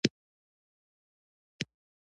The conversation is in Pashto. هغې وویل د دوی هغه کونډ او پوخ خپلوان.